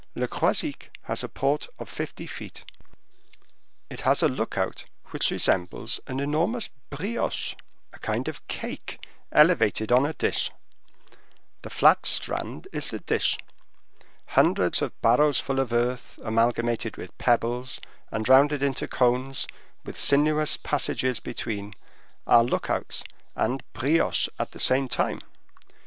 Le Croisic has a port of fifty feet; it has a look out which resembles an enormous brioche (a kind of cake) elevated on a dish. The flat strand is the dish. Hundreds of barrowsful of earth amalgamated with pebbles, and rounded into cones, with sinuous passages between, are look outs and brioches at the same time.